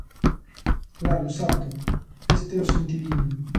Claro, exacto, este é o sentidiño.